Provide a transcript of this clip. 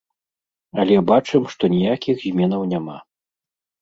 Але бачым, што ніякіх зменаў няма.